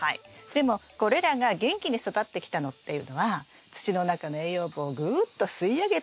でもこれらが元気に育ってきたのっていうのは土の中の栄養分をグーッと吸い上げてきたからなんです。